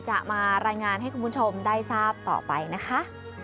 จะมารายงานให้คุณผู้ชมได้ทราบต่อไปนะคะ